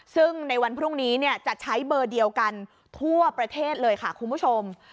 ซึ่งในวันพรุ่งนี้จะใช้เบอร์เดียวกันทั่วประเทศเลยค่ะคุณผู้ชม